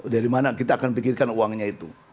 dari mana kita akan pikirkan uangnya itu